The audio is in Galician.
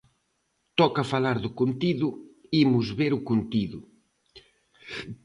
Toca falar do contido, imos ver o contido.